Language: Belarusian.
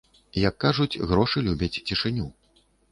Як кажуць, грошы любяць цішыню.